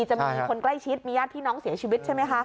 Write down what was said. จะมีคนใกล้ชิดมีญาติพี่น้องเสียชีวิตใช่ไหมคะ